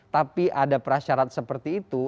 tapi ada prasyarat seperti itu